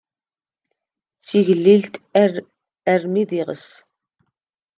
D tigellilt armi d iɣes.